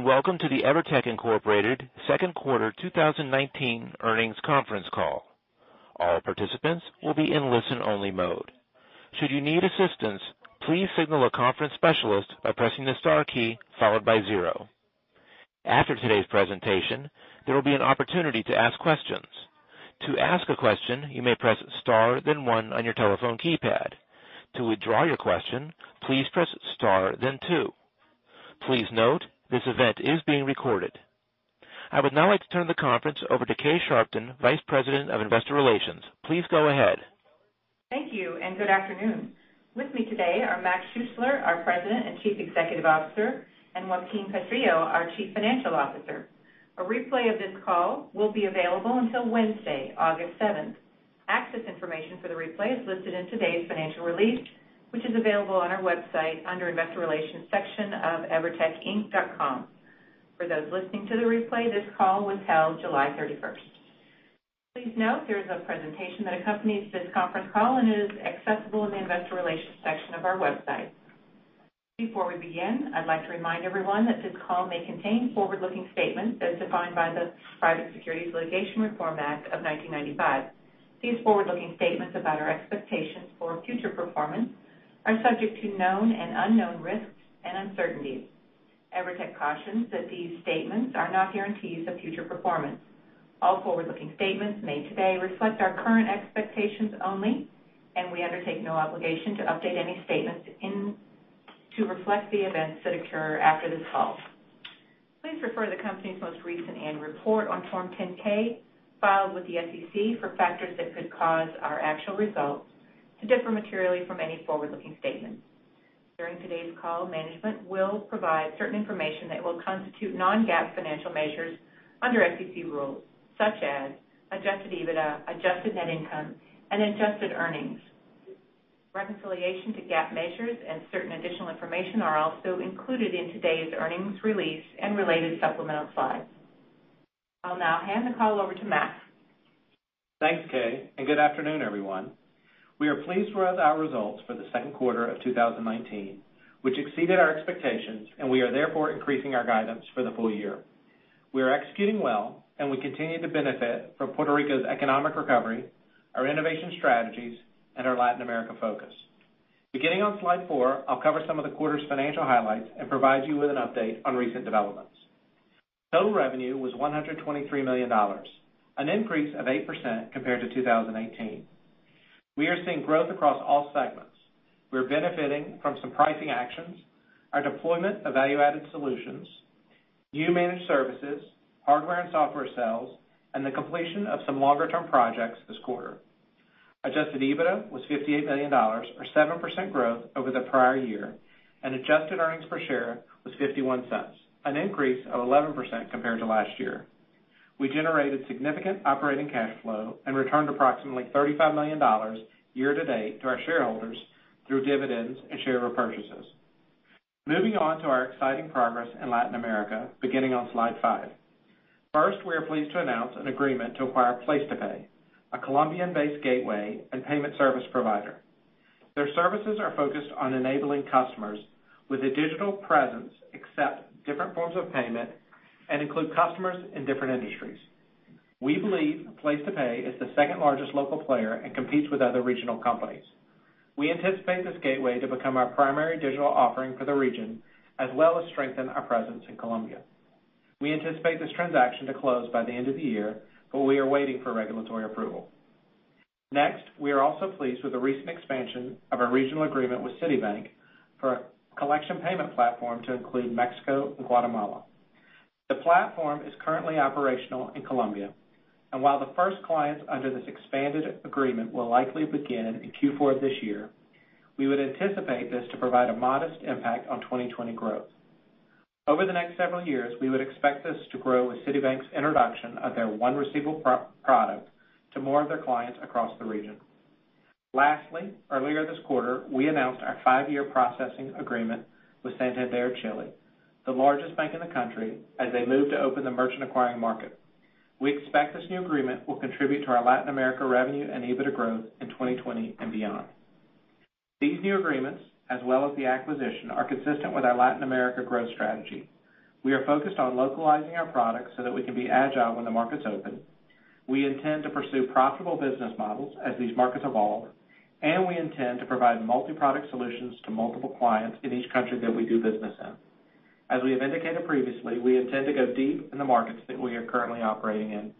Good afternoon, and welcome to the EVERTEC Incorporated Second Quarter 2019 earnings conference call. All participants will be in listen-only mode. Should you need assistance, please signal a conference specialist by pressing the star key followed by zero. After today's presentation, there will be an opportunity to ask questions. To ask a question, you may press star, then one on your telephone keypad. To withdraw your question, please press star, then two. Please note, this event is being recorded. I would now like to turn the conference over to Kay Sharpton, Vice President of Investor Relations. Please go ahead. Thank you, and good afternoon. With me today are Morgan Schuessler, our President and Chief Executive Officer, and Joaquin Castrillo, our Chief Financial Officer. A replay of this call will be available until Wednesday, August seventh. Access information for the replay is listed in today's financial release, which is available on our website under Investor Relations section of evertecinc.com. For those listening to the replay, this call was held July 31st. Please note there is a presentation that accompanies this conference call and is accessible in the Investor Relations section of our website. Before we begin, I'd like to remind everyone that this call may contain forward-looking statements as defined by the Private Securities Litigation Reform Act of 1995. These forward-looking statements about our expectations for future performance are subject to known and unknown risks and uncertainties. EVERTEC cautions that these statements are not guarantees of future performance. All forward-looking statements made today reflect our current expectations only, and we undertake no obligation to update any statements to reflect the events that occur after this call. Please refer to the company's most recent annual report on Form 10-K filed with the SEC for factors that could cause our actual results to differ materially from any forward-looking statements. During today's call, management will provide certain information that will constitute non-GAAP financial measures under SEC rules, such as adjusted EBITDA, adjusted net income, and adjusted earnings. Reconciliation to GAAP measures and certain additional information are also included in today's earnings release and related supplemental slides. I'll now hand the call over to Mac. Thanks, Kay, and good afternoon, everyone. We are pleased with our results for the second quarter of 2019, which exceeded our expectations, and we are therefore increasing our guidance for the full year. We are executing well, and we continue to benefit from Puerto Rico's economic recovery, our innovation strategies, and our Latin America focus. Beginning on slide four, I'll cover some of the quarter's financial highlights and provide you with an update on recent developments. Total revenue was $123 million, an increase of 8% compared to 2018. We are seeing growth across all segments. We are benefiting from some pricing actions, our deployment of value-added solutions, new managed services, hardware and software sales, and the completion of some longer-term projects this quarter. Adjusted EBITDA was $58 million, or 7% growth over the prior year, and adjusted earnings per share was $0.51, an increase of 11% compared to last year. We generated significant operating cash flow and returned approximately $35 million year to date to our shareholders through dividends and share repurchases. Moving on to our exciting progress in Latin America, beginning on slide five. First, we are pleased to announce an agreement to acquire PlacetoPay, a Colombian-based gateway and payment service provider. Their services are focused on enabling customers with a digital presence, accept different forms of payment, and include customers in different industries. We believe PlacetoPay is the second-largest local player and competes with other regional companies. We anticipate this gateway to become our primary digital offering for the region, as well as strengthen our presence in Colombia. We anticipate this transaction to close by the end of the year, but we are waiting for regulatory approval. We are also pleased with the recent expansion of our regional agreement with Citibank for a collection payment platform to include Mexico and Guatemala. The platform is currently operational in Colombia, and while the first clients under this expanded agreement will likely begin in Q4 of this year, we would anticipate this to provide a modest impact on 2020 growth. Over the next several years, we would expect this to grow with Citibank's introduction of their One Receivables product to more of their clients across the region. Earlier this quarter, we announced our five-year processing agreement with Santander Chile, the largest bank in the country, as they move to open the merchant acquiring market. We expect this new agreement will contribute to our Latin America revenue and EBITDA growth in 2020 and beyond. These new agreements, as well as the acquisition, are consistent with our Latin America growth strategy. We are focused on localizing our products so that we can be agile when the markets open. We intend to pursue profitable business models as these markets evolve, and we intend to provide multi-product solutions to multiple clients in each country that we do business in. As we have indicated previously, we intend to go deep in the markets that we are currently operating in.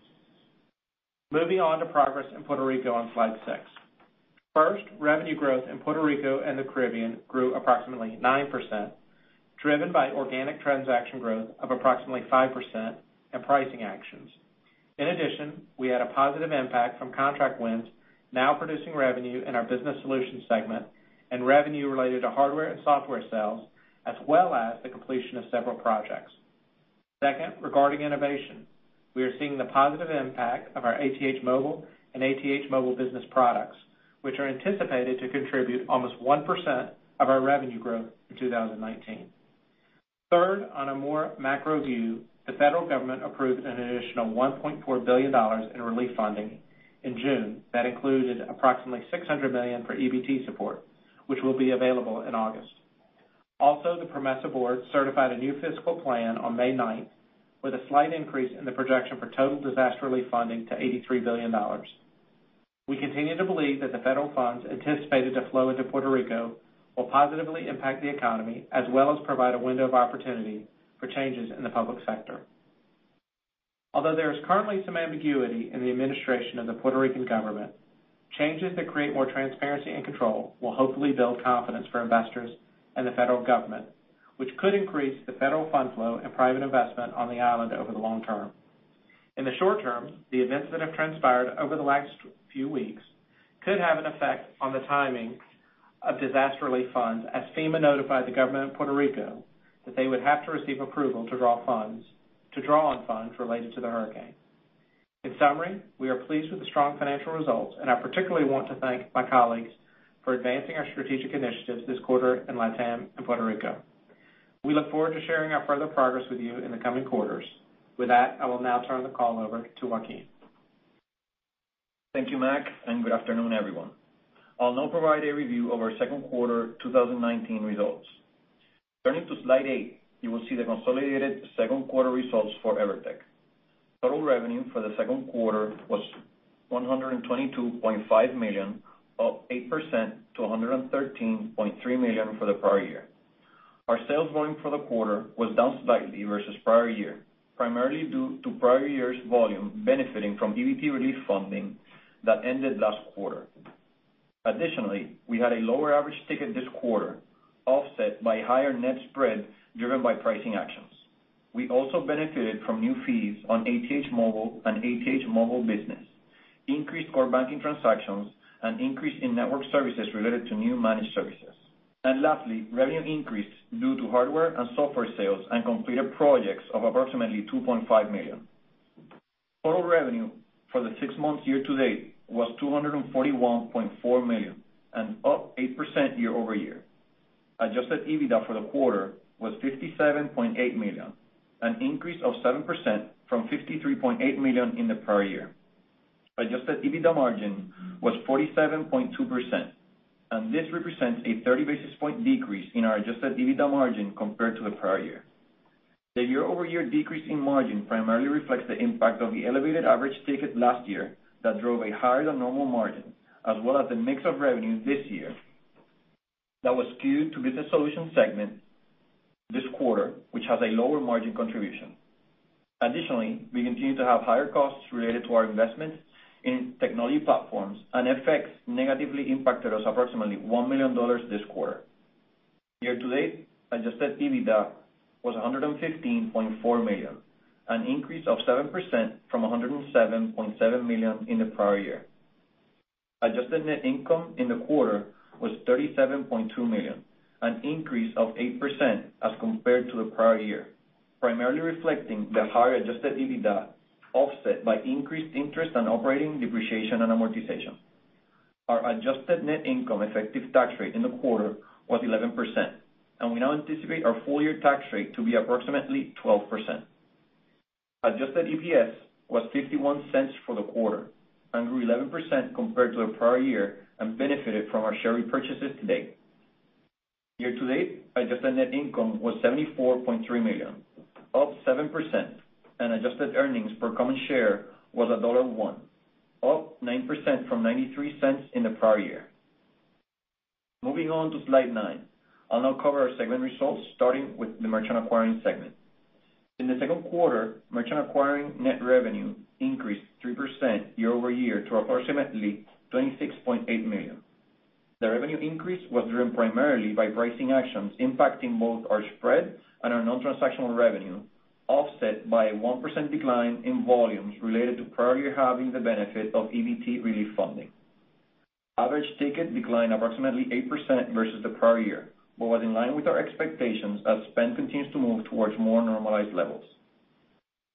Moving on to progress in Puerto Rico on slide six. First, revenue growth in Puerto Rico and the Caribbean grew approximately 9%, driven by organic transaction growth of approximately 5% and pricing actions. In addition, we had a positive impact from contract wins now producing revenue in our business solution segment and revenue related to hardware and software sales, as well as the completion of several projects. Second, regarding innovation. We are seeing the positive impact of our ATH Móvil and ATH Móvil Business products, which are anticipated to contribute almost 1% of our revenue growth in 2019. Third, on a more macro view, the federal government approved an additional $1.4 billion in relief funding in June that included approximately $600 million for EBT support, which will be available in August. Also, the PROMESA Board certified a new fiscal plan on May 9th, with a slight increase in the projection for total disaster relief funding to $83 billion. We continue to believe that the federal funds anticipated to flow into Puerto Rico will positively impact the economy, as well as provide a window of opportunity for changes in the public sector. Although there is currently some ambiguity in the administration of the Puerto Rican government, changes that create more transparency and control will hopefully build confidence for investors and the federal government, which could increase the federal fund flow and private investment on the island over the long term. In the short term, the events that have transpired over the last few weeks could have an effect on the timing of disaster relief funds, as FEMA notified the government of Puerto Rico that they would have to receive approval to draw on funds related to the hurricane. In summary, we are pleased with the strong financial results. I particularly want to thank my colleagues for advancing our strategic initiatives this quarter in LATAM and Puerto Rico. We look forward to sharing our further progress with you in the coming quarters. With that, I will now turn the call over to Joaquin. Thank you, Mac, and good afternoon, everyone. I'll now provide a review of our second quarter 2019 results. Turning to slide eight, you will see the consolidated second quarter results for EVERTEC. Total revenue for the second quarter was $122.5 million, up 8% to $113.3 million for the prior year. Our sales volume for the quarter was down slightly versus prior year, primarily due to prior year's volume benefiting from EBT relief funding that ended last quarter. Additionally, we had a lower average ticket this quarter, offset by higher net spread driven by pricing actions. We also benefited from new fees on ATH Móvil and ATH Móvil Business, increased core banking transactions, and increase in network services related to new managed services. Lastly, revenue increase due to hardware and software sales and completed projects of approximately $2.5 million. Total revenue for the six months year-to-date was $241.4 million. Up 8% year-over-year. Adjusted EBITDA for the quarter was $57.8 million, an increase of 7% from $53.8 million in the prior year. Adjusted EBITDA margin was 47.2%. This represents a 30-basis-point decrease in our adjusted EBITDA margin compared to the prior year. The year-over-year decrease in margin primarily reflects the impact of the elevated average ticket last year that drove a higher than normal margin, as well as the mix of revenue this year that was skewed to Business Solutions segment this quarter, which has a lower margin contribution. Additionally, we continue to have higher costs related to our investments in technology platforms. FX negatively impacted us approximately $1 million this quarter. Year-to-date, adjusted EBITDA was $115.4 million, an increase of 7% from $107.7 million in the prior year. Adjusted net income in the quarter was $37.2 million, an increase of 8% as compared to the prior year, primarily reflecting the higher adjusted EBITDA offset by increased interest and operating depreciation and amortization. Our adjusted net income effective tax rate in the quarter was 11%, and we now anticipate our full-year tax rate to be approximately 12%. Adjusted EPS was $0.51 for the quarter and grew 11% compared to the prior year and benefited from our share repurchases to date. Year-to-date, adjusted net income was $74.3 million, up 7%, and adjusted earnings per common share was $1.01, up 9% from $0.93 in the prior year. Moving on to slide nine, I'll now cover our segment results, starting with the Merchant Acquiring segment. In the second quarter, Merchant Acquiring net revenue increased 3% year-over-year to approximately $26.8 million. The revenue increase was driven primarily by pricing actions impacting both our spread and our non-transactional revenue, offset by a 1% decline in volumes related to prior year having the benefit of EBT relief funding. Average ticket declined approximately 8% versus the prior year but was in line with our expectations as spend continues to move towards more normalized levels.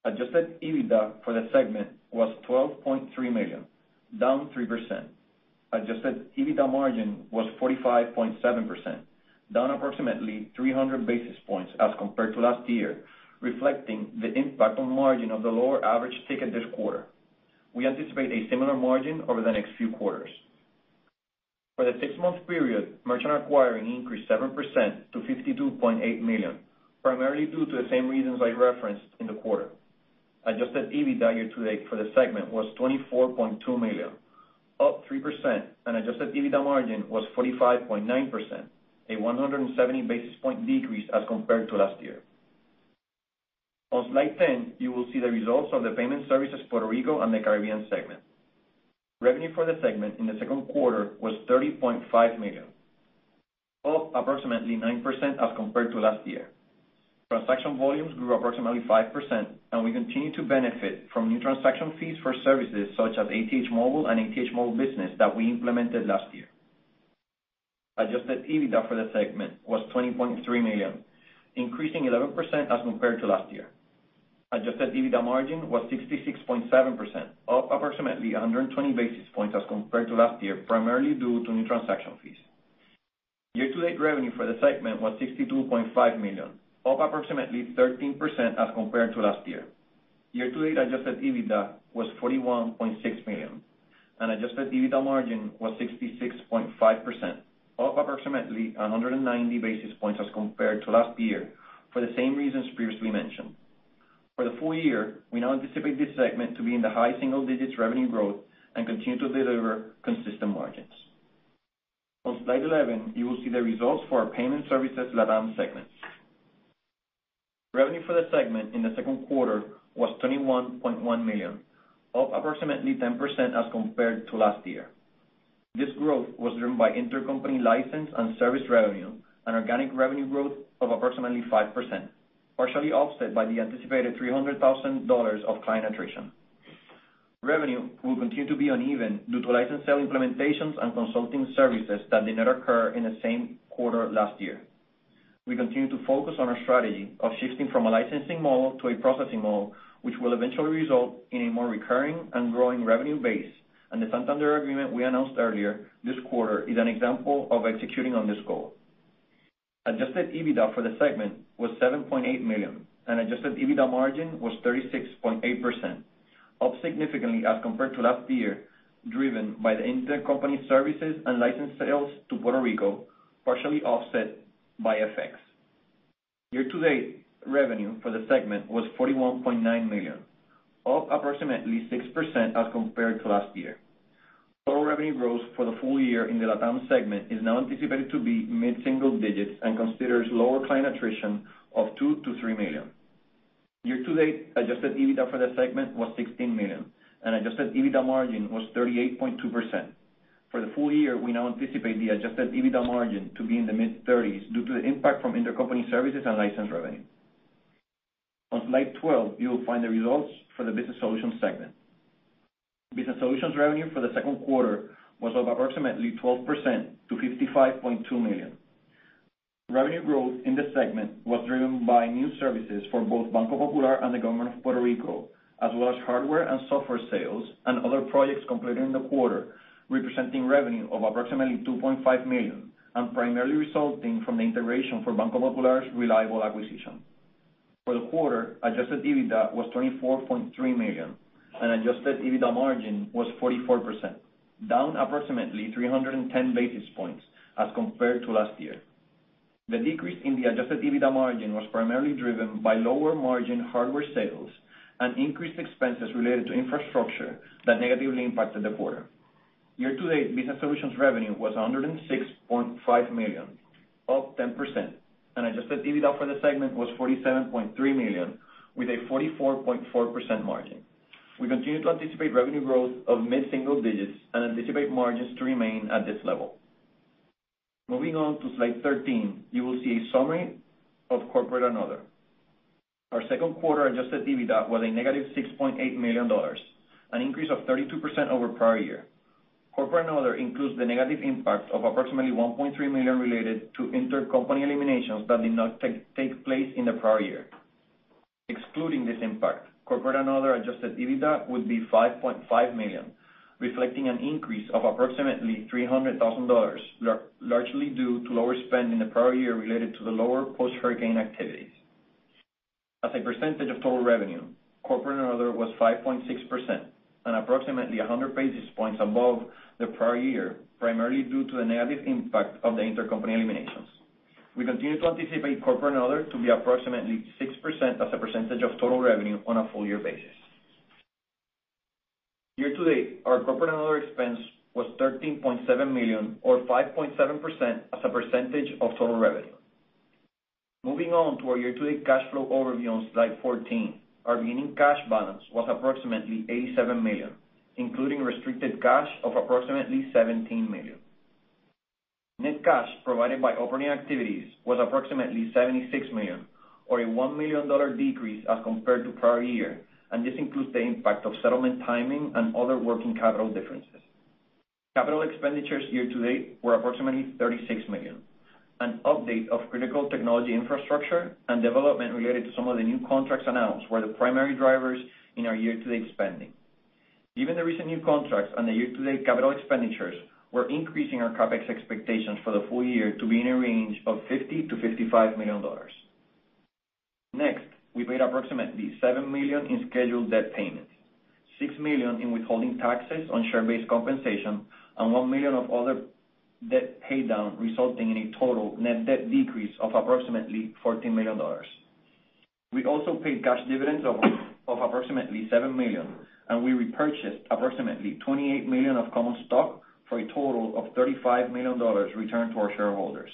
Adjusted EBITDA for the segment was $12.3 million, down 3%. Adjusted EBITDA margin was 45.7%, down approximately 300 basis points as compared to last year, reflecting the impact on margin of the lower average ticket this quarter. We anticipate a similar margin over the next few quarters. For the six-month period, Merchant Acquiring increased 7% to $52.8 million, primarily due to the same reasons I referenced in the quarter. Adjusted EBITDA year-to-date for the segment was $24.2 million, up 3%, and adjusted EBITDA margin was 45.9%, a 170-basis-point decrease as compared to last year. On slide 10, you will see the results of the Payment Services Puerto Rico and the Caribbean segment. Revenue for the segment in the second quarter was $30.5 million, up approximately 9% as compared to last year. Transaction volumes grew approximately 5%, and we continue to benefit from new transaction fees for services such as ATH Móvil and ATH Móvil Business that we implemented last year. Adjusted EBITDA for the segment was $20.3 million, increasing 11% as compared to last year. Adjusted EBITDA margin was 66.7%, up approximately 120 basis points as compared to last year, primarily due to new transaction fees. Year-to-date revenue for the segment was $62.5 million, up approximately 13% as compared to last year. Year-to-date adjusted EBITDA was $41.6 million. Adjusted EBITDA margin was 66.5%, up approximately 190 basis points as compared to last year for the same reasons previously mentioned. For the full year, we now anticipate this segment to be in the high single digits revenue growth and continue to deliver consistent margins. On slide 11, you will see the results for our Payment Services LATAM segments. Revenue for the segment in the second quarter was $21.1 million, up approximately 10% as compared to last year. This growth was driven by intercompany license and service revenue and organic revenue growth of approximately 5%, partially offset by the anticipated $300,000 of client attrition. Revenue will continue to be uneven due to license sale implementations and consulting services that did not occur in the same quarter last year. We continue to focus on our strategy of shifting from a licensing model to a processing model, which will eventually result in a more recurring and growing revenue base, and the Santander agreement we announced earlier this quarter is an example of executing on this goal. Adjusted EBITDA for the segment was $7.8 million, and adjusted EBITDA margin was 36.8%, up significantly as compared to last year, driven by the intercompany services and license sales to Puerto Rico, partially offset by FX. Year-to-date revenue for the segment was $41.9 million, up approximately 6% as compared to last year. Total revenue growth for the full year in the LATAM segment is now anticipated to be mid-single digits and considers lower client attrition of $2 million-$3 million. Year-to-date adjusted EBITDA for the segment was $16 million, and adjusted EBITDA margin was 38.2%. For the full year, we now anticipate the adjusted EBITDA margin to be in the mid-30s due to the impact from intercompany services and license revenue. On slide 12, you will find the results for the Business Solutions segment. Business Solutions revenue for the second quarter was up approximately 12% to $55.2 million. Revenue growth in this segment was driven by new services for both Banco Popular and the government of Puerto Rico, as well as hardware and software sales and other projects completed in the quarter, representing revenue of approximately $2.5 million and primarily resulting from the integration for Banco Popular's Reliable acquisition. For the quarter, adjusted EBITDA was $24.3 million, and adjusted EBITDA margin was 44%, down approximately 310 basis points as compared to last year. The decrease in the adjusted EBITDA margin was primarily driven by lower margin hardware sales and increased expenses related to infrastructure that negatively impacted the quarter. Year-to-date, Business Solutions revenue was $106.5 million, up 10%, and adjusted EBITDA for the segment was $47.3 million, with a 44.4% margin. We continue to anticipate revenue growth of mid-single digits and anticipate margins to remain at this level. Moving on to slide 13, you will see a summary of Corporate and Other. Our second quarter adjusted EBITDA was a negative $6.8 million, an increase of 32% over prior year. Corporate and Other includes the negative impact of approximately $1.3 million related to intercompany eliminations that did not take place in the prior year. Excluding this impact, Corporate and Other adjusted EBITDA would be $5.5 million, reflecting an increase of approximately $300,000, largely due to lower spend in the prior year related to the lower post-hurricane activities. As a percentage of total revenue, Corporate and Other was 5.6% and approximately 100 basis points above the prior year, primarily due to the negative impact of the intercompany eliminations. We continue to anticipate Corporate and Other to be approximately 6% as a percentage of total revenue on a full-year basis. Year-to-date, our Corporate and Other expense was $13.7 million, or 5.7% as a percentage of total revenue. Moving on to our year-to-date cash flow overview on slide 14. Our beginning cash balance was approximately $87 million, including restricted cash of approximately $17 million. Net cash provided by operating activities was approximately $76 million, or a $1 million decrease as compared to prior year. This includes the impact of settlement timing and other working capital differences. Capital expenditures year-to-date were approximately $36 million. An update of critical technology infrastructure and development related to some of the new contracts announced were the primary drivers in our year-to-date spending. Given the recent new contracts and the year-to-date CapEx, we're increasing our CapEx expectations for the full year to be in a range of $50 million-$55 million. Next, we paid approximately $7 million in scheduled debt payments, $6 million in withholding taxes on share-based compensation, and $1 million of other debt paydown, resulting in a total net debt decrease of approximately $14 million. We also paid cash dividends of approximately $7 million. We repurchased approximately $28 million of common stock for a total of $35 million returned to our shareholders.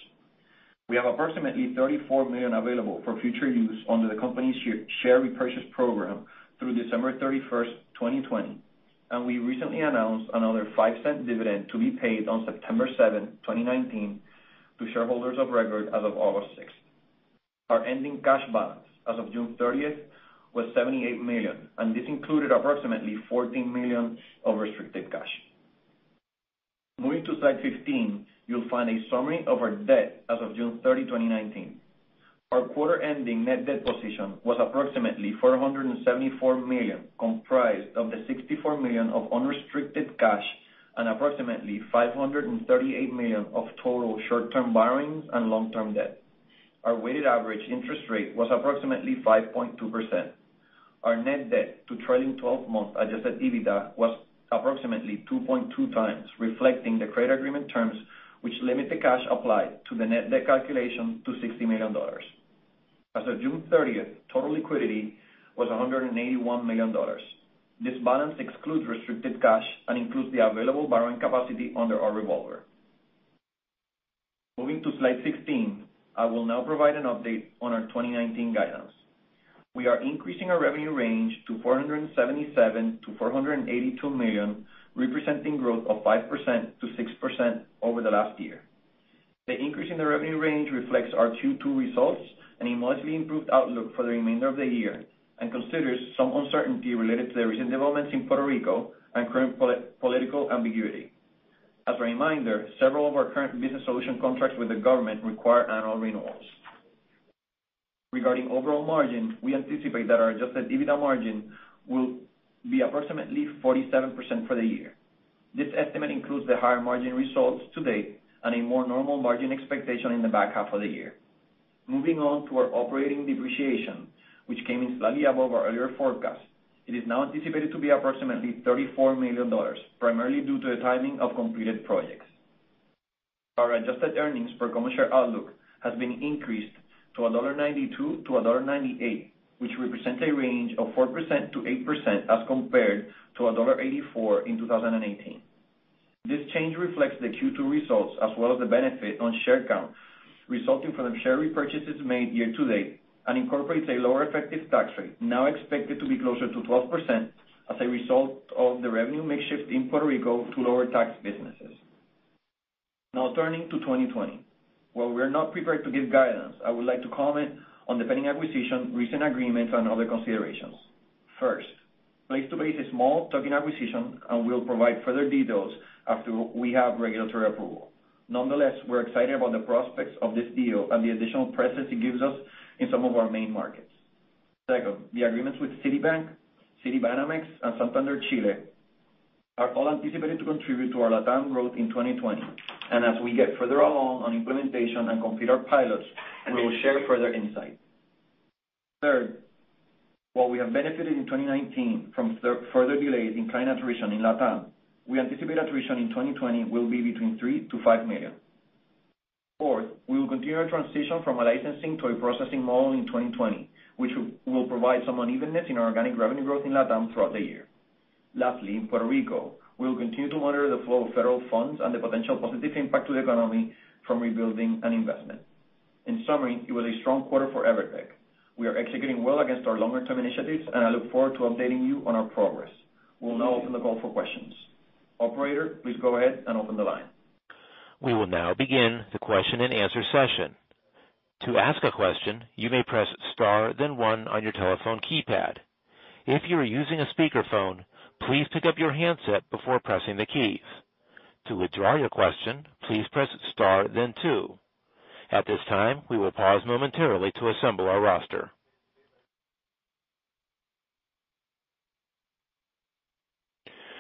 We have approximately $34 million available for future use under the company's share repurchase program through December 31, 2020. We recently announced another $0.05 dividend to be paid on September 7, 2019, to shareholders of record as of August 6. Our ending cash balance as of June 30 was $78 million. This included approximately $14 million of restricted cash. Moving to slide 15, you'll find a summary of our debt as of June 30, 2019. Our quarter-ending net debt position was approximately $474 million, comprised of the $64 million of unrestricted cash and approximately $538 million of total short-term borrowings and long-term debt. Our weighted average interest rate was approximately 5.2%. Our net debt to trailing 12 months adjusted EBITDA was approximately 2.2 times, reflecting the credit agreement terms, which limit the cash applied to the net debt calculation to $60 million. As of June 30th, total liquidity was $181 million. This balance excludes restricted cash and includes the available borrowing capacity under our revolver. Moving to slide 16, I will now provide an update on our 2019 guidance. We are increasing our revenue range to $477 million-$482 million, representing growth of 5%-6% over the last year. The increase in the revenue range reflects our Q2 results and a modestly improved outlook for the remainder of the year and considers some uncertainty related to the recent developments in Puerto Rico and current political ambiguity. As a reminder, several of our current business solution contracts with the government require annual renewals. Regarding overall margin, we anticipate that our adjusted EBITDA margin will be approximately 47% for the year. This estimate includes the higher margin results to date and a more normal margin expectation in the back half of the year. Moving on to our operating depreciation, which came in slightly above our earlier forecast. It is now anticipated to be approximately $34 million, primarily due to the timing of completed projects. Our adjusted earnings per common share outlook has been increased to $1.92-$1.98, which represents a range of 4%-8% as compared to $1.84 in 2018. This change reflects the Q2 results as well as the benefit on share count resulting from the share repurchases made year to date and incorporates a lower effective tax rate, now expected to be closer to 12% as a result of the revenue mix shift in Puerto Rico to lower tax businesses. Turning to 2020. While we're not prepared to give guidance, I would like to comment on the pending acquisition, recent agreements, and other considerations. First, PlacetoPay is a small token acquisition and we'll provide further details after we have regulatory approval. Nonetheless, we're excited about the prospects of this deal and the additional presence it gives us in some of our main markets. Second, the agreements with Citibank, Citibanamex, and Santander Chile are all anticipated to contribute to our LatAm growth in 2020. As we get further along on implementation and complete our pilots, we will share further insight. Third, while we have benefited in 2019 from further delays in client attrition in LatAm, we anticipate attrition in 2020 will be between $3 million-$5 million. Fourth, we will continue our transition from a licensing to a processing model in 2020, which will provide some unevenness in our organic revenue growth in LatAm throughout the year. Lastly, in Puerto Rico, we will continue to monitor the flow of federal funds and the potential positive impact to the economy from rebuilding and investment. In summary, it was a strong quarter for EVERTEC. We are executing well against our longer-term initiatives, and I look forward to updating you on our progress. We'll now open the call for questions. Operator, please go ahead and open the line. We will now begin the question and answer session. To ask a question, you may press star then one on your telephone keypad. If you are using a speakerphone, please pick up your handset before pressing the keys. To withdraw your question, please press star then two. At this time, we will pause momentarily to assemble our roster.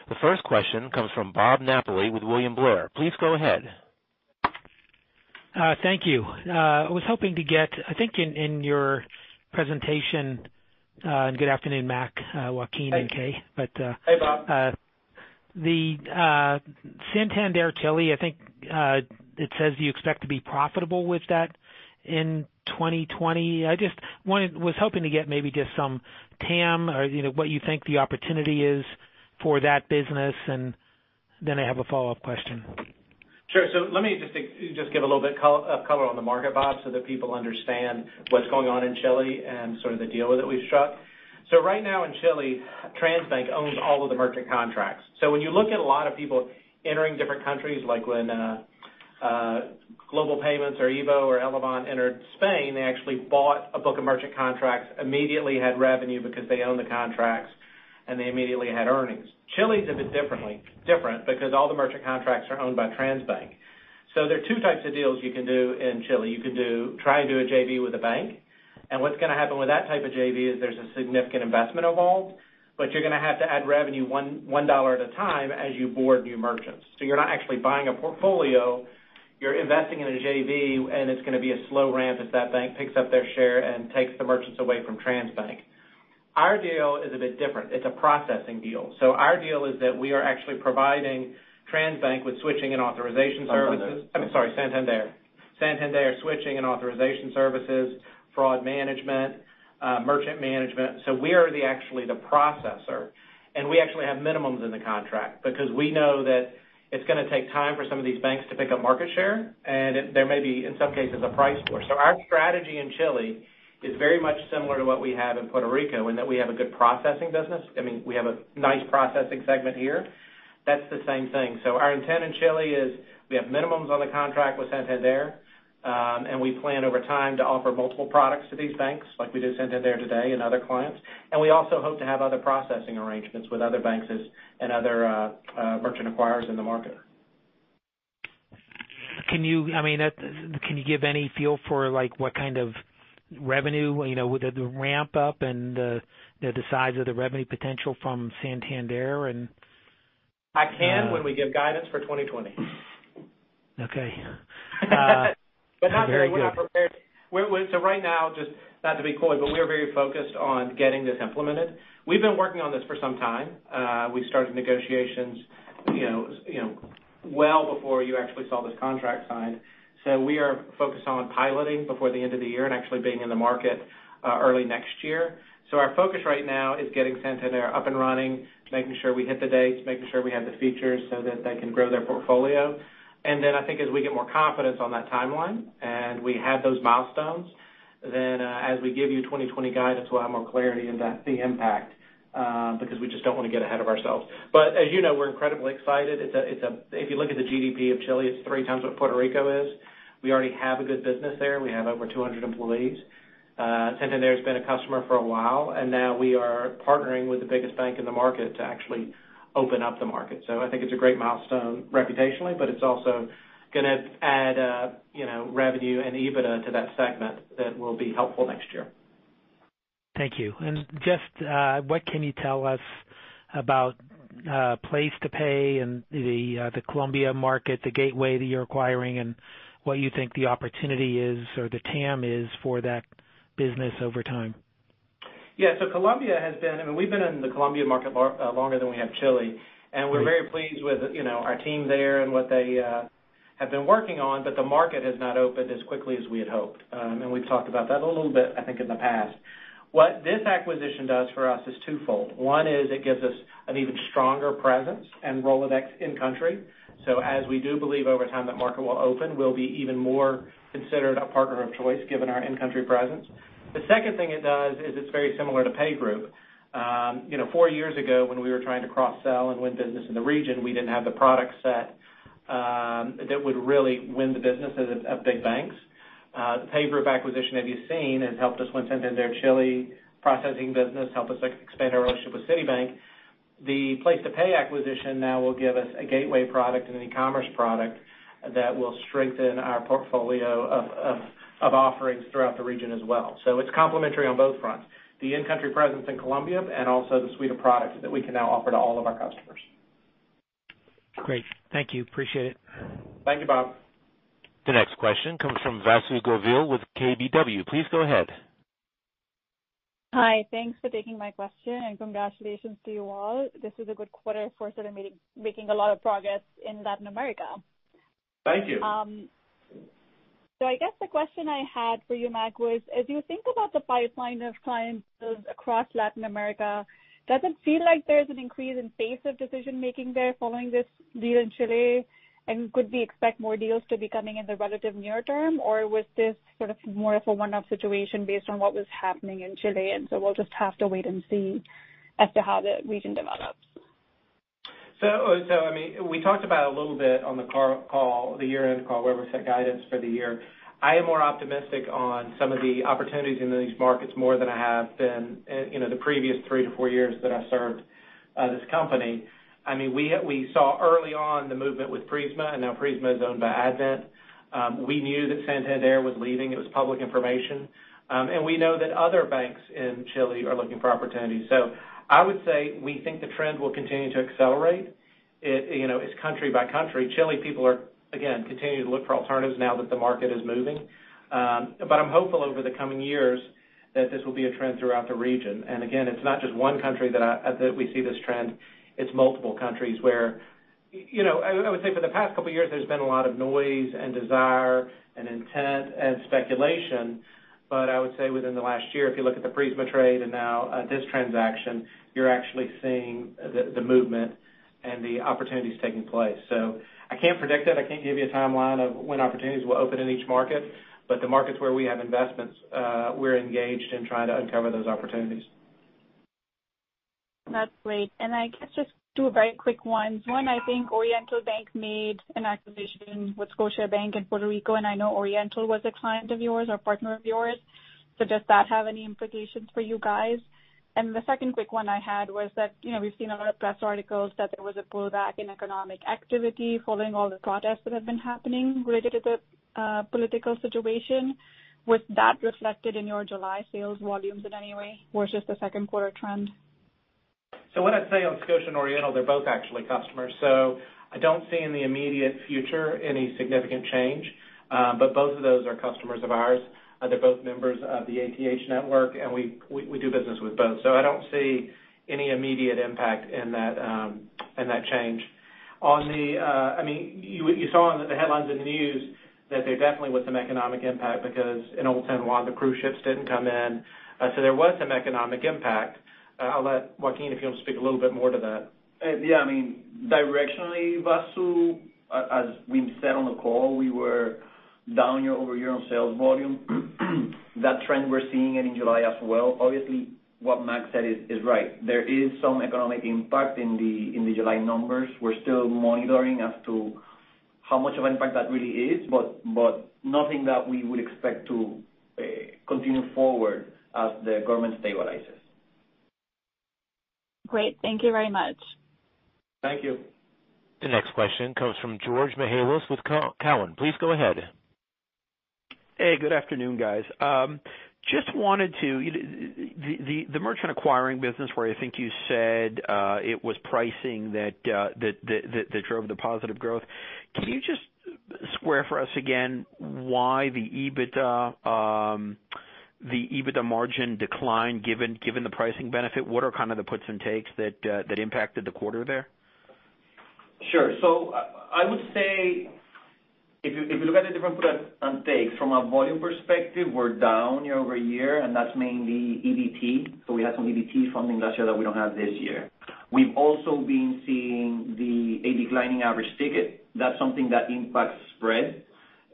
The first question comes from Bob Napoli with William Blair. Please go ahead. Thank you. I was hoping to get, I think in your presentation. Good afternoon, Mac, Joaquin, and K. Hey. Hey, Bob. The Banco Santander Chile, I think it says you expect to be profitable with that in 2020. I just was hoping to get maybe just some TAM or what you think the opportunity is for that business, and then I have a follow-up question. Sure. Let me just give a little bit of color on the market, Bob, so that people understand what's going on in Chile and sort of the deal that we've struck. Right now in Chile, Transbank owns all of the merchant contracts. When you look at a lot of people entering different countries, like when Global Payments or EVO or Elavon entered Spain, they actually bought a book of merchant contracts, immediately had revenue because they own the contracts, and they immediately had earnings. Chile's a bit different because all the merchant contracts are owned by Transbank. There are two types of deals you can do in Chile. You can try and do a JV with a bank. What's going to happen with that type of JV is there's a significant investment involved, but you're going to have to add revenue $1 at a time as you board new merchants. You're not actually buying a portfolio. You're investing in a JV. It's going to be a slow ramp as that bank picks up their share and takes the merchants away from Transbank. Our deal is a bit different. It's a processing deal. Our deal is that we are actually providing Transbank with switching and authorization services- Santander. I'm sorry, Santander. Santander switching and authorization services, fraud management, merchant management. We are actually the processor, and we actually have minimums in the contract because we know that it's going to take time for some of these banks to pick up market share, and there may be, in some cases, a price war. Our strategy in Chile is very much similar to what we have in Puerto Rico, in that we have a good processing business. We have a nice processing segment here. That's the same thing. Our intent in Chile is we have minimums on the contract with Santander, and we plan over time to offer multiple products to these banks, like we do Santander today and other clients. We also hope to have other processing arrangements with other banks and other merchant acquirers in the market. Can you give any feel for what kind of revenue, with the ramp up and the size of the revenue potential from Santander and I can when we give guidance for 2020. Okay. Very good. We're not prepared. Right now, just not to be coy, but we are very focused on getting this implemented. We've been working on this for some time. We started negotiations well before you actually saw this contract signed. We are focused on piloting before the end of the year and actually being in the market early next year. Our focus right now is getting Santander up and running, making sure we hit the dates, making sure we have the features so that they can grow their portfolio. I think as we get more confidence on that timeline and we have those milestones, as we give you 2020 guidance, we'll have more clarity in that, the impact, because we just don't want to get ahead of ourselves. As you know, we're incredibly excited. If you look at the GDP of Chile, it's three times what Puerto Rico is. We already have a good business there. We have over 200 employees. Santander has been a customer for a while, and now we are partnering with the biggest bank in the market to actually open up the market. I think it's a great milestone reputationally, but it's also going to add revenue and EBITDA to that segment that will be helpful next year. Thank you. Just what can you tell us about PlacetoPay and the Colombia market, the gateway that you're acquiring and what you think the opportunity is, or the TAM is for that business over time? Yeah. We've been in the Colombia market longer than we have Chile, and we're very pleased with our team there and what they have been working on. The market has not opened as quickly as we had hoped. We've talked about that a little bit, I think, in the past. What this acquisition does for us is twofold. One is it gives us an even stronger presence and Rolodex in country. As we do believe over time that market will open, we'll be even more considered a partner of choice given our in-country presence. The second thing it does is it's very similar to PayGroup. four years ago when we were trying to cross-sell and win business in the region, we didn't have the product set that would really win the business at big banks. The PayGroup acquisition that you've seen has helped us win Santander Chile processing business, helped us expand our relationship with Citibank. The PlacetoPay acquisition now will give us a gateway product and an e-commerce product that will strengthen our portfolio of offerings throughout the region as well. It's complementary on both fronts, the in-country presence in Colombia and also the suite of products that we can now offer to all of our customers. Great. Thank you. Appreciate it. Thank you, Bob. The next question comes from Vasundhara Govil with KBW. Please go ahead. Hi. Thanks for taking my question and congratulations to you all. This is a good quarter for sort of making a lot of progress in Latin America. Thank you. I guess the question I had for you, Mac, was as you think about the pipeline of clients across Latin America, does it feel like there's an increase in pace of decision-making there following this deal in Chile? And could we expect more deals to be coming in the relative near term? Or was this sort of more of a one-off situation based on what was happening in Chile, and so we'll just have to wait and see as to how the region develops? We talked about a little bit on the year-end call where we set guidance for the year. I am more optimistic on some of the opportunities in these markets more than I have been in the previous three to four years that I served this company. We saw early on the movement with Prisma, now Prisma is owned by Advent. We knew that Santander was leaving. It was public information. We know that other banks in Chile are looking for opportunities. I would say we think the trend will continue to accelerate. It's country by country. Chile people are, again, continuing to look for alternatives now that the market is moving. But I'm hopeful over the coming years that this will be a trend throughout the region. Again, it's not just one country that we see this trend. It's multiple countries where I would say for the past couple of years, there's been a lot of noise and desire and intent and speculation. I would say within the last year, if you look at the Prisma trade and now this transaction, you're actually seeing the movement and the opportunities taking place. I can't predict it. I can't give you a timeline of when opportunities will open in each market. The markets where we have investments, we're engaged in trying to uncover those opportunities. That's great. Can I just do a very quick one? One, I think Oriental Bank made an acquisition with Scotiabank in Puerto Rico, and I know Oriental was a client of yours or partner of yours. Does that have any implications for you guys? The second quick one I had was that we've seen a lot of press articles that there was a pullback in economic activity following all the protests that have been happening related to the political situation. Was that reflected in your July sales volumes in any way, or it's just a second quarter trend? What I'd say on Scotia and Oriental, they're both actually customers, so I don't see in the immediate future any significant change. Both of those are customers of ours. They're both members of the ATH Network, and we do business with both. I don't see any immediate impact in that change. You saw in the headlines in the news that there definitely was some economic impact because in Old San Juan, the cruise ships didn't come in. There was some economic impact. I'll let Joaquin, if you want to speak a little bit more to that. Yeah. Directionally, Vasu, as we said on the call, we were down year-over-year on sales volume. That trend we're seeing it in July as well. Obviously, what Mac said is right. There is some economic impact in the July numbers. We're still monitoring as to how much of an impact that really is, but nothing that we would expect to continue forward as the government stabilizes. Great. Thank you very much. Thank you. The next question comes from George Mihalos with Cowen. Please go ahead. Hey, good afternoon, guys. The merchant acquiring business where I think you said it was pricing that drove the positive growth, can you just square for us again why the EBITDA margin declined given the pricing benefit? What are kind of the puts and takes that impacted the quarter there? Sure. I would say if you look at the different puts and takes from a volume perspective, we're down year-over-year, and that's mainly EBT. We had some EBT funding last year that we don't have this year. We've also been seeing a declining average ticket. That's something that impacts spread,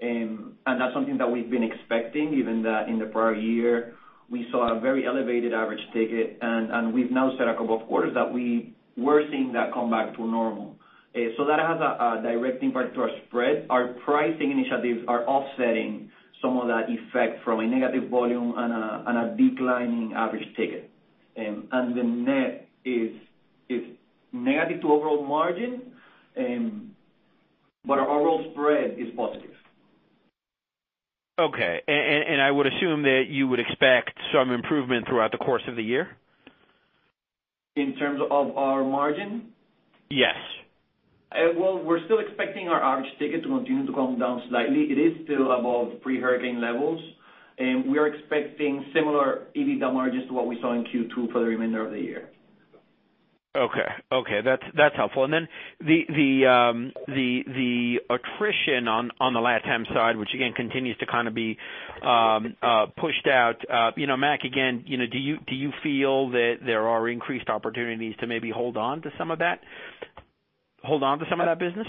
and that's something that we've been expecting, given that in the prior year, we saw a very elevated average ticket, and we've now said a couple of quarters that we were seeing that come back to normal. That has a direct impact to our spread. Our pricing initiatives are offsetting some of that effect from a negative volume and a declining average ticket. The net is negative to overall margin, but our overall spread is positive. Okay. I would assume that you would expect some improvement throughout the course of the year? In terms of our margin? Yes. Well, we're still expecting our average ticket to continue to come down slightly. It is still above pre-hurricane levels, and we are expecting similar EBITDA margins to what we saw in Q2 for the remainder of the year. Okay. That's helpful. The attrition on the LatAm side, which again continues to kind of be pushed out. Mac, again, do you feel that there are increased opportunities to maybe hold on to some of that business?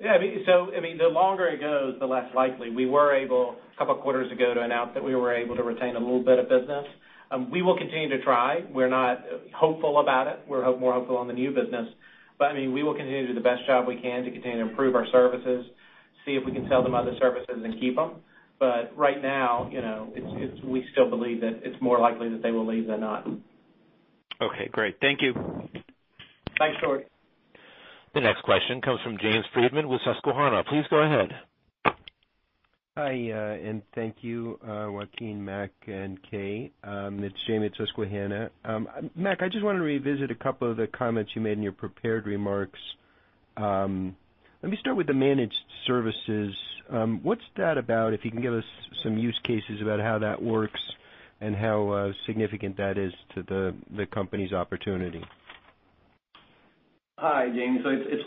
Yeah. The longer it goes, the less likely. We were able, a couple of quarters ago, to announce that we were able to retain a little bit of business. We will continue to try. We're not hopeful about it. We're more hopeful on the new business. We will continue to do the best job we can to continue to improve our services, see if we can sell them other services and keep them. Right now, we still believe that it's more likely that they will leave than not. Okay, great. Thank you. Thanks, Troy. The next question comes from James Friedman with Susquehanna. Please go ahead. Hi, thank you, Joaquin, Mac, and Kay. It's Jamie at Susquehanna. Mac, I just wanted to revisit a couple of the comments you made in your prepared remarks. Let me start with the managed services. What's that about? If you can give us some use cases about how that works and how significant that is to the company's opportunity. Hi, Jamie. It's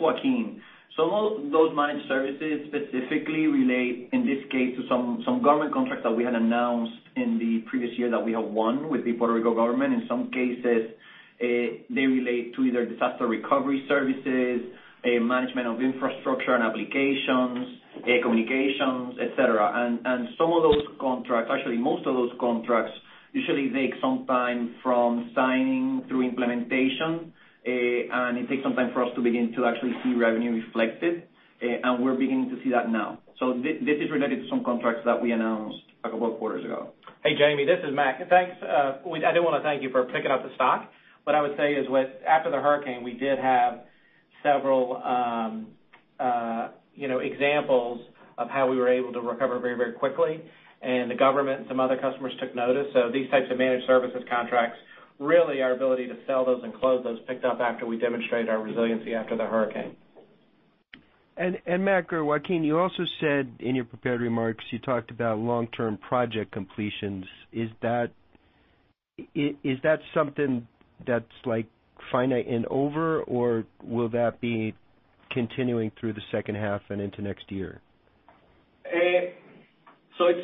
Joaquin. Those managed services specifically relate, in this case, to some government contracts that we had announced in the previous year that we have won with the Puerto Rico Government. In some cases, they relate to either disaster recovery services, management of infrastructure and applications, communications, et cetera. Some of those contracts, actually, most of those contracts usually take some time from signing through implementation, and it takes some time for us to begin to actually see revenue reflected, and we're beginning to see that now. This is related to some contracts that we announced a couple of quarters ago. Hey, Jamie, this is Mac. I do want to thank you for picking up the stock. What I would say is after the hurricane, we did have several examples of how we were able to recover very quickly, and the government and some other customers took notice. These types of managed services contracts, really our ability to sell those and close those picked up after we demonstrated our resiliency after the hurricane. Mac or Joaquin, you also said in your prepared remarks, you talked about long-term project completions. Is that something that's finite and over, or will that be continuing through the second half and into next year? It's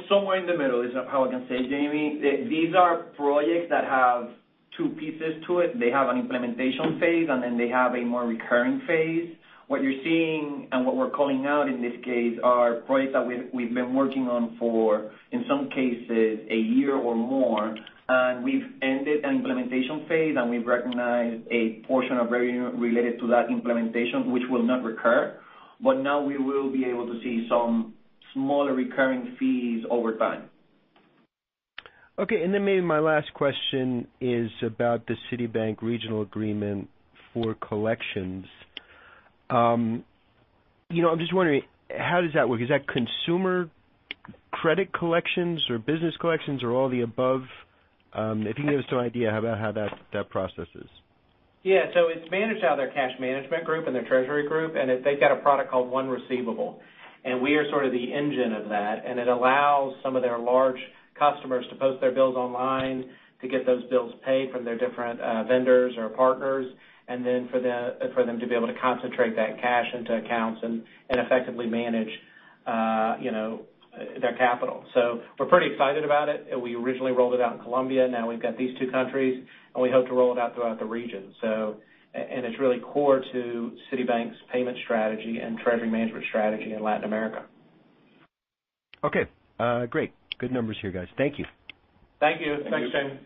somewhere in the middle is how I can say, Jamie. These are projects that have two pieces to it. They have an implementation phase, then they have a more recurring phase. What you're seeing and what we're calling out in this case are projects that we've been working on for, in some cases, a year or more, and we've ended an implementation phase, and we've recognized a portion of revenue related to that implementation, which will not recur. Now we will be able to see some smaller recurring fees over time. Okay, maybe my last question is about the Citibank regional agreement for collections. I'm just wondering how does that work? Is that consumer credit collections or business collections or all the above? If you can give us an idea how that process is. Yeah. It's managed out of their cash management group and their treasury group. They've got a product called One Receivables. We are sort of the engine of that, and it allows some of their large customers to post their bills online to get those bills paid from their different vendors or partners. Then for them to be able to concentrate that cash into accounts and effectively manage their capital. We're pretty excited about it. We originally rolled it out in Colombia. Now we've got these two countries, and we hope to roll it out throughout the region. It's really core to Citibank's payment strategy and treasury management strategy in Latin America. Okay. Great. Good numbers here, guys. Thank you. Thank you. Thank you. Thanks, Jamie.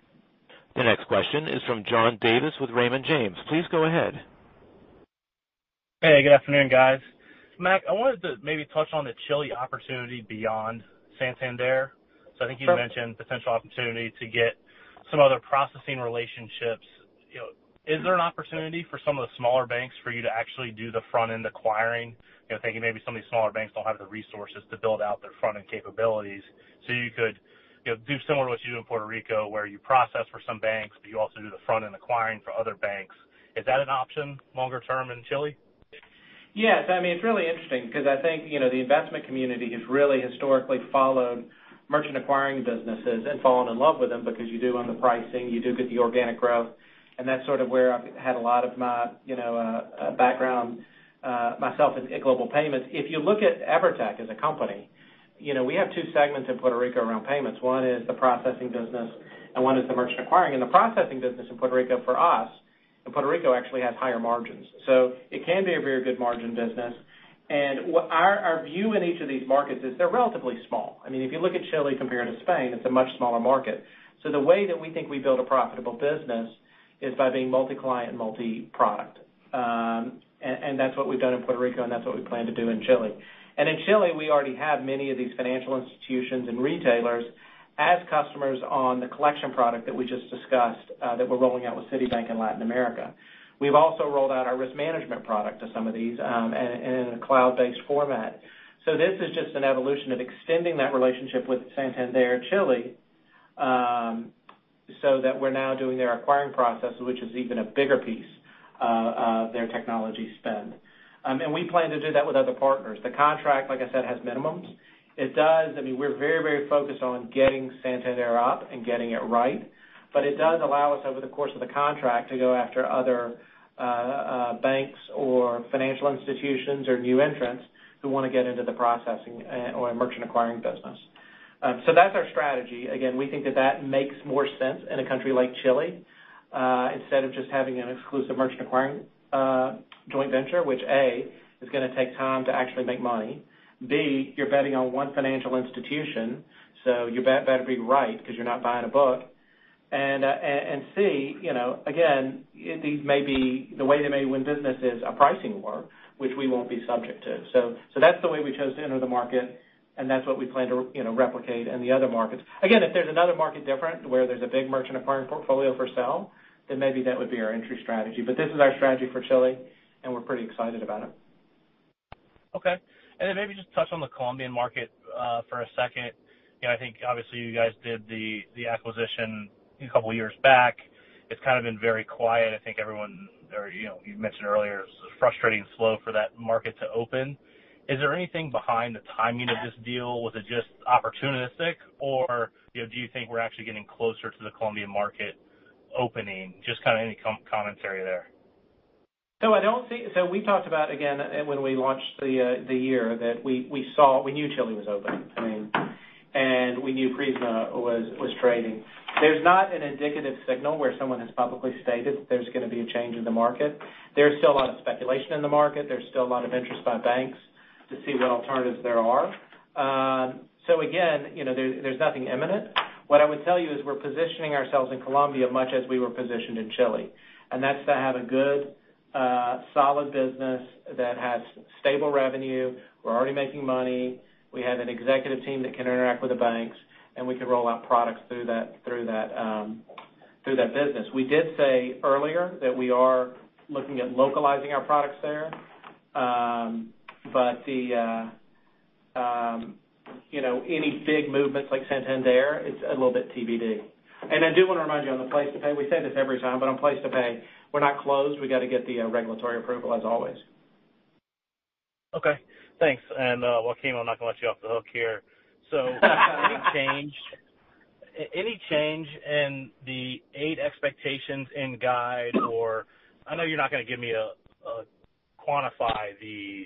The next question is from John Davis with Raymond James. Please go ahead. Hey, good afternoon, guys. Mac, I wanted to maybe touch on the Chile opportunity beyond Santander. I think you mentioned potential opportunity to get some other processing relationships. Is there an opportunity for some of the smaller banks for you to actually do the front-end acquiring? Thinking maybe some of these smaller banks don't have the resources to build out their front-end capabilities. You could do similar to what you do in Puerto Rico, where you process for some banks, but you also do the front-end acquiring for other banks. Is that an option longer term in Chile? Yes. It's really interesting because I think, the investment community has really historically followed merchant acquiring businesses and fallen in love with them because you do on the pricing, you do get the organic growth, and that's sort of where I've had a lot of my background myself at Global Payments. If you look at EVERTEC as a company, we have two segments in Puerto Rico around payments. One is the processing business and one is the merchant acquiring. The processing business in Puerto Rico for us, in Puerto Rico actually has higher margins. It can be a very good margin business. Our view in each of these markets is they're relatively small. If you look at Chile compared to Spain, it's a much smaller market. The way that we think we build a profitable business is by being multi-client and multi-product. That's what we've done in Puerto Rico, and that's what we plan to do in Chile. In Chile, we already have many of these financial institutions and retailers as customers on the collection product that we just discussed, that we're rolling out with Citibank in Latin America. We've also rolled out our risk management product to some of these, and in a cloud-based format. This is just an evolution of extending that relationship with Santander Chile, so that we're now doing their acquiring process, which is even a bigger piece of their technology spend. We plan to do that with other partners. The contract, like I said, has minimums. We're very focused on getting Santander up and getting it right, but it does allow us, over the course of the contract, to go after other banks or financial institutions or new entrants who want to get into the processing or merchant acquiring business. That's our strategy. Again, we think that that makes more sense in a country like Chile, instead of just having an exclusive merchant acquiring joint venture, which, A, is going to take time to actually make money. B, you're betting on one financial institution, so you better be right because you're not buying a book. C, again, the way they may win business is a pricing war, which we won't be subject to. That's the way we chose to enter the market, and that's what we plan to replicate in the other markets. If there's another market different where there's a big merchant acquiring portfolio for sale, then maybe that would be our entry strategy. This is our strategy for Chile, and we're pretty excited about it. Okay. Maybe just touch on the Colombian market for a second. I think obviously you guys did the acquisition a couple of years back. It's kind of been very quiet. I think everyone, or you mentioned earlier, it was frustrating and slow for that market to open. Is there anything behind the timing of this deal? Was it just opportunistic or do you think we're actually getting closer to the Colombian market opening? Just any commentary there. We talked about, again, when we launched the year that we knew Chile was open. We knew Prisma was trading. There's not an indicative signal where someone has publicly stated there's going to be a change in the market. There's still a lot of speculation in the market. There's still a lot of interest by banks to see what alternatives there are. Again, there's nothing imminent. What I would tell you is we're positioning ourselves in Colombia much as we were positioned in Chile, and that's to have a good, solid business that has stable revenue. We're already making money. We have an executive team that can interact with the banks, and we can roll out products through that business. We did say earlier that we are looking at localizing our products there. Any big movements like Santander, it's a little bit TBD. I do want to remind you on the PlacetoPay, we say this every time, but on PlacetoPay, we're not closed. We got to get the regulatory approval as always. Okay, thanks. Joaquin, I'm not going to let you off the hook here. Any change in the aid expectations in guide or I know you're not going to give me quantify the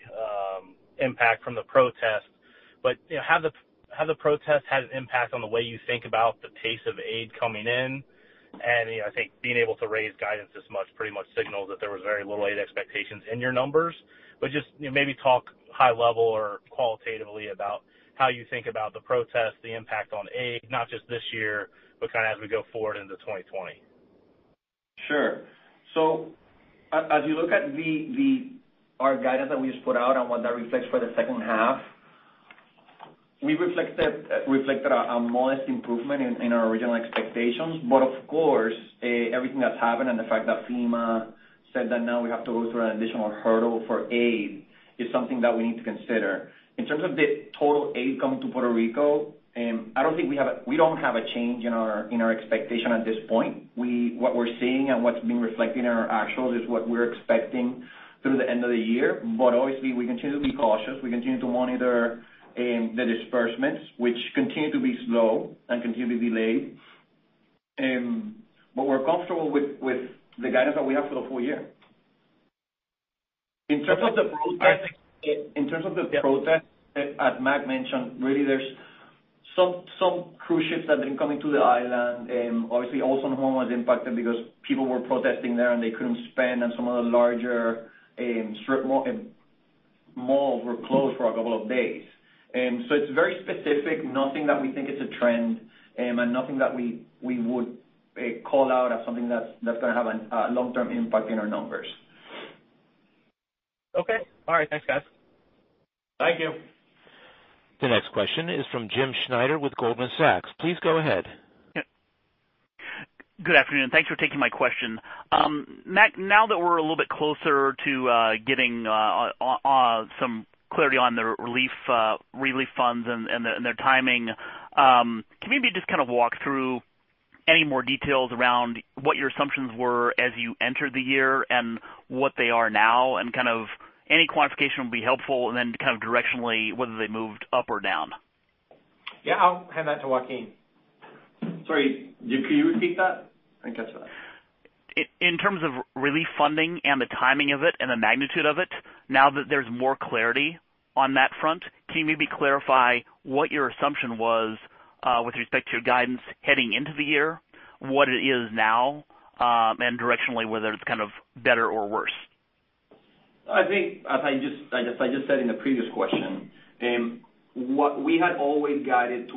impact from the protest, but has the protest had an impact on the way you think about the pace of aid coming in? I think being able to raise guidance this much pretty much signals that there was very little aid expectations in your numbers. Just maybe talk high level or qualitatively about how you think about the protest, the impact on aid, not just this year, but kind of as we go forward into 2020. Sure. As you look at our guidance that we just put out and what that reflects for the second half, we reflected a modest improvement in our original expectations. Of course, everything that's happened and the fact that FEMA said that now we have to go through an additional hurdle for aid is something that we need to consider. In terms of the total aid coming to Puerto Rico, we don't have a change in our expectation at this point. What we're seeing and what's been reflected in our actuals is what we're expecting through the end of the year. Obviously, we continue to be cautious. We continue to monitor the disbursements, which continue to be slow and continue to be late. We're comfortable with the guidance that we have for the full year. In terms of the protest, as Mac mentioned, really there's some cruise ships that have been coming to the island. Obviously, Old San Juan was impacted because people were protesting there and they couldn't spend, and some of the larger malls were closed for a couple of days. It's very specific, nothing that we think is a trend and nothing that we would call out as something that's going to have a long-term impact in our numbers. Okay. All right. Thanks, guys. Thank you. The next question is from Jim Schneider with Goldman Sachs. Please go ahead. Good afternoon. Thanks for taking my question. Mac, now that we're a little bit closer to getting some clarity on the relief funds and their timing, can you maybe just kind of walk through any more details around what your assumptions were as you entered the year and what they are now and kind of any quantification would be helpful and then kind of directionally whether they moved up or down? Yeah. I'll hand that to Joaquin. Sorry. Could you repeat that? I didn't catch that. In terms of relief funding and the timing of it and the magnitude of it, now that there's more clarity on that front, can you maybe clarify what your assumption was, with respect to your guidance heading into the year, what it is now, and directionally, whether it's kind of better or worse? I think as I just said in the previous question, we had always guided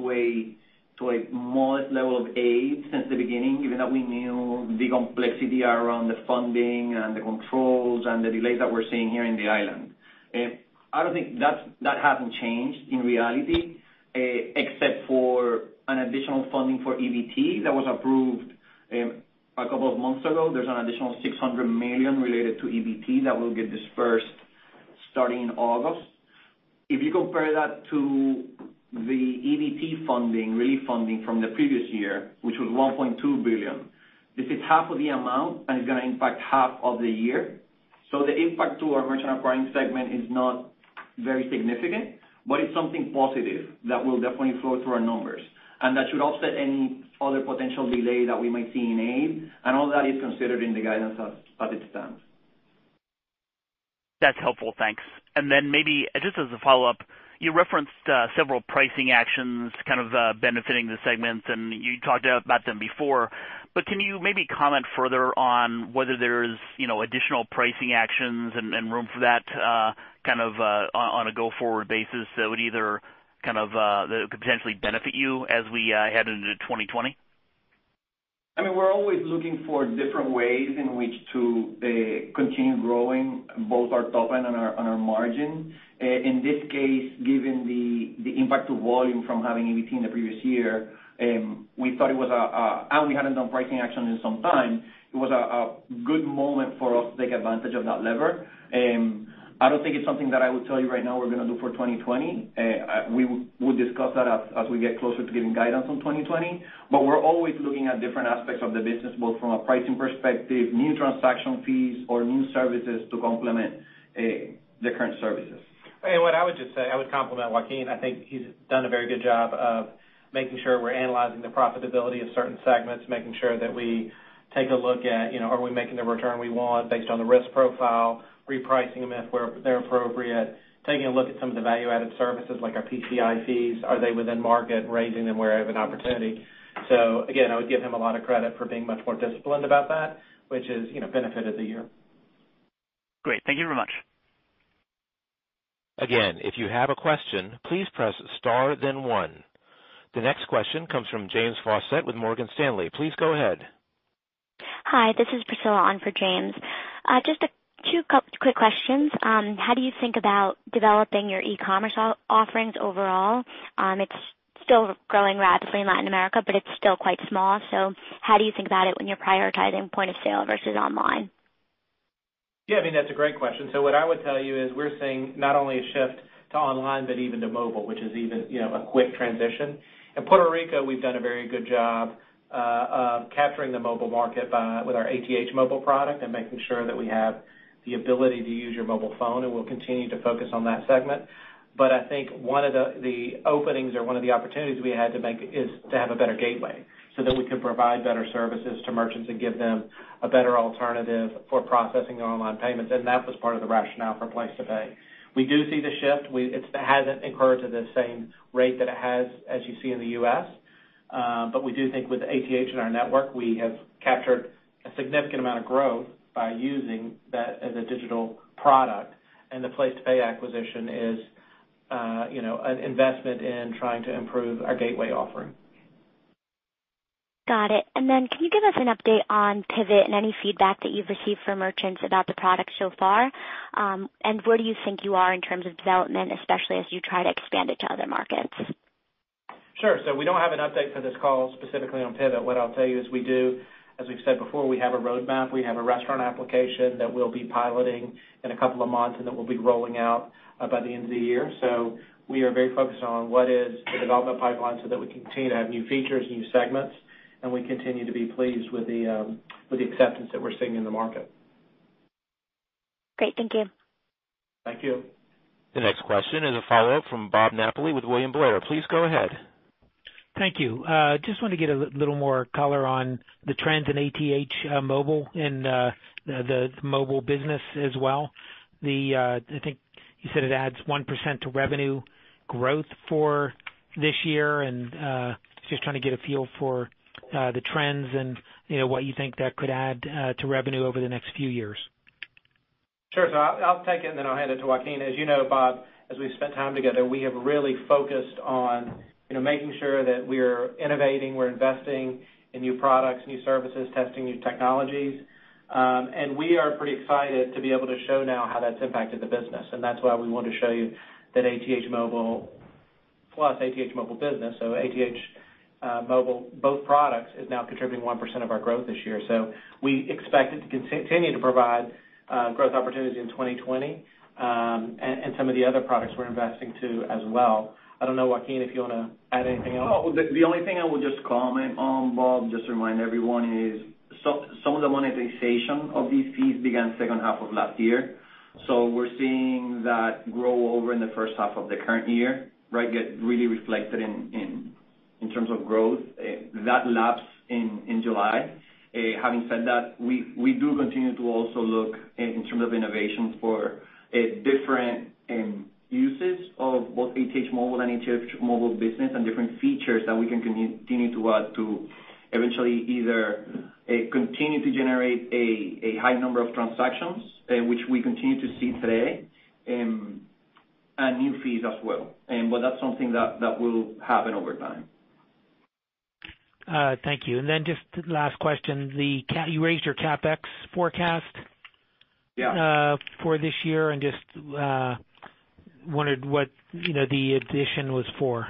to a modest level of aid since the beginning, even though we knew the complexity around the funding and the controls and the delays that we're seeing here in the island. I don't think that hasn't changed in reality, except for an additional funding for EBT that was approved a couple of months ago. There's an additional $600 million related to EBT that will get dispersed starting in August. If you compare that to the EBT relief funding from the previous year, which was $1.2 billion, this is half of the amount and it's going to impact half of the year. The impact to our merchant acquiring segment is not very significant, but it's something positive that will definitely flow through our numbers and that should offset any other potential delay that we might see in aid and all that is considered in the guidance as it stands. That's helpful. Thanks. Maybe just as a follow-up, you referenced several pricing actions kind of benefiting the segments, and you talked about them before, but can you maybe comment further on whether there's additional pricing actions and room for that kind of on a go-forward basis that could potentially benefit you as we head into 2020? I mean, we're always looking for different ways in which to continue growing both our top line and our margin. In this case, given the impact to volume from having EBT in the previous year, and we hadn't done pricing action in some time, it was a good moment for us to take advantage of that lever. I don't think it's something that I would tell you right now we're going to do for 2020. We'll discuss that as we get closer to giving guidance on 2020. We're always looking at different aspects of the business, both from a pricing perspective, new transaction fees or new services to complement the current services. What I would just say, I would compliment Joaquin. I think he's done a very good job of making sure we're analyzing the profitability of certain segments, making sure that we take a look at are we making the return we want based on the risk profile, repricing them if they're appropriate, taking a look at some of the value-added services like our PCI fees. Are they within market? Raising them where I have an opportunity. Again, I would give him a lot of credit for being much more disciplined about that, which has benefited the year. Great. Thank you very much. Again, if you have a question, please press star then one. The next question comes from James Faucette with Morgan Stanley. Please go ahead. Hi, this is Priscilla on for James. Just two quick questions. How do you think about developing your e-commerce offerings overall? It's still growing rapidly in Latin America, but it's still quite small. How do you think about it when you're prioritizing point of sale versus online? Yeah, I mean, that's a great question. What I would tell you is we're seeing not only a shift to online, but even to mobile, which is even a quick transition. In Puerto Rico, we've done a very good job of capturing the mobile market with our ATH Móvil product and making sure that we have the ability to use your mobile phone and we'll continue to focus on that segment. I think one of the openings or one of the opportunities we had to make is to have a better gateway so that we could provide better services to merchants and give them a better alternative for processing their online payments. That was part of the rationale for PlacetoPay. We do see the shift. It hasn't occurred to the same rate that it has as you see in the U.S. We do think with ATH in our network, we have captured a significant amount of growth by using that as a digital product. The PlacetoPay acquisition is an investment in trying to improve our gateway offering. Got it. Can you give us an update on Pvot and any feedback that you've received from merchants about the product so far? Where do you think you are in terms of development, especially as you try to expand it to other markets? Sure. We don't have an update for this call specifically on Pvot. What I'll tell you is we do, as we've said before, we have a roadmap. We have a restaurant application that we'll be piloting in a couple of months and that we'll be rolling out by the end of the year. We are very focused on what is the development pipeline so that we continue to have new features, new segments, and we continue to be pleased with the acceptance that we're seeing in the market. Great. Thank you. Thank you. The next question is a follow-up from Bob Napoli with William Blair. Please go ahead. Thank you. Just wanted to get a little more color on the trends in ATH Móvil and the mobile business as well. I think you said it adds 1% to revenue growth for this year and just trying to get a feel for the trends and what you think that could add to revenue over the next few years. Sure. I'll take it and then I'll hand it to Joaquin. As you know, Bob, as we've spent time together, we have really focused on making sure that we're innovating, we're investing in new products, new services, testing new technologies. We are pretty excited to be able to show now how that's impacted the business. That's why we want to show you that ATH Móvil ATH Móvil Business. ATH Móvil, both products, is now contributing 1% of our growth this year. We expect it to continue to provide growth opportunities in 2020, and some of the other products we're investing too as well. I don't know, Joaquin, if you want to add anything else. No. The only thing I would just comment on, Bob, just remind everyone is some of the monetization of these fees began second half of last year. We're seeing that grow over in the first half of the current year, right? Get really reflected in terms of growth. That lapsed in July. Having said that, we do continue to also look in terms of innovations for different uses of both ATH Móvil and ATH Móvil Business, and different features that we can continue to add to eventually either continue to generate a high number of transactions, which we continue to see today, and new fees as well. That's something that will happen over time. Thank you. Just last question. You raised your CapEx forecast- Yeah for this year and just wondered what the addition was for.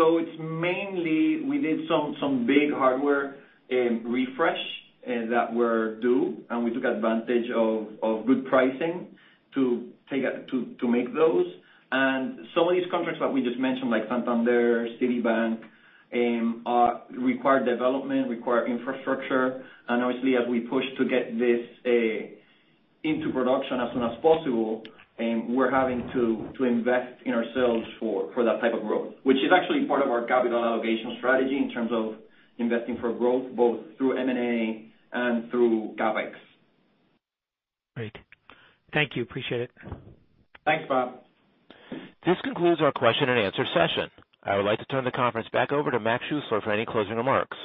It's mainly we did some big hardware refresh that were due, and we took advantage of good pricing to make those. Some of these contracts that we just mentioned, like Santander, Citibank, require development, require infrastructure. Obviously as we push to get this into production as soon as possible, we're having to invest in ourselves for that type of growth. Which is actually part of our capital allocation strategy in terms of investing for growth, both through M&A and through CapEx. Great. Thank you. Appreciate it. Thanks, Bob. This concludes our question and answer session. I would like to turn the conference back over to Morgan Schuessler for any closing remarks.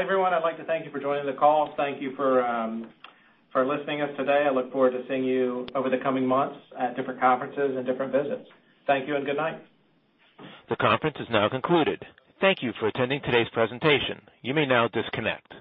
Everyone, I'd like to thank you for joining the call. Thank you for listening to us today. I look forward to seeing you over the coming months at different conferences and different visits. Thank you and good night. The conference is now concluded. Thank you for attending today's presentation. You may now disconnect.